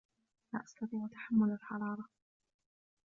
لا أستطيع تحمل الحرارة.